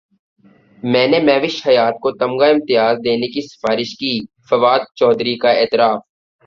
میں نے مہوش حیات کو تمغہ امتیاز دینے کی سفارش کی فواد چوہدری کا اعتراف